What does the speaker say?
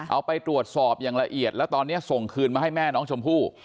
เอาไปตรวจสอบอย่างละเอียดแล้วตอนนี้ส่งคืนมาให้แม่น้องชมพู่